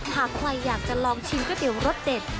หากใครอยากจะลองชิมก๋วยเตี๋ยวรสเด็ด